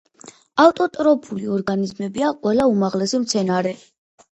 ავტოტროფული ორგანიზმებია ყველა უმაღლესი მცენარე.